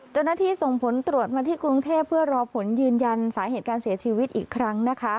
เจ้าหน้าที่ส่งผลตรวจมาที่กรุงเทพเพื่อรอผลยืนยันสาเหตุการเสียชีวิตอีกครั้งนะคะ